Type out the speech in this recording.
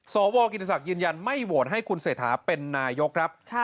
สวกิติศักดิ์ยืนยันไม่โหวตให้คุณเศรษฐาเป็นนายกครับ